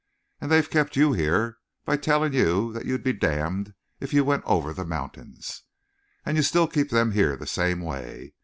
And they've kept you here by telling you that you'd be damned if you went over the mountains. "And you still keep them here the same way.